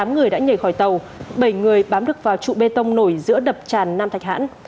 tám người đã nhảy khỏi tàu bảy người bám được vào trụ bê tông nổi giữa đập tràn nam thạch hãn